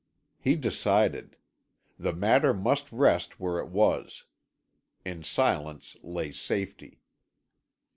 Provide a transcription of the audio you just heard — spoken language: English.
He decided. The matter must rest where it was. In silence lay safety.